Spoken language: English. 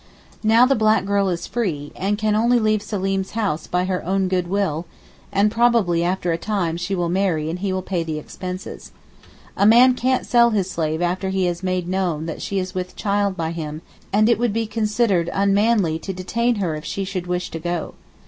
Now the black girl is free, and can only leave Seleem's house by her own good will and probably after a time she will marry and he will pay the expenses. A man can't sell his slave after he has made known that she is with child by him, and it would be considered unmanly to detain her if she should wish to go.